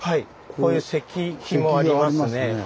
こういう石碑もありますね。